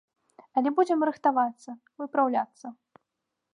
Але будзем рыхтавацца, выпраўляцца.